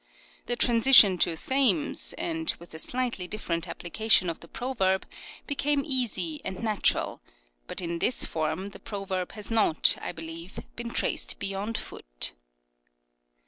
The transition to " Thames " and with a slightly different applica tion of the proverb became easy and natural ; but in this form the proverb has not, I believe, been traced beyond Foote.